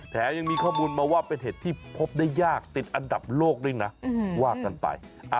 แถมยังมีข้อมูลมาว่าเป็นเห็ดที่พบได้ยากติดอันดับโลกด้วยนะว่ากันไป